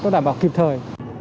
nó đảm bảo kịp thời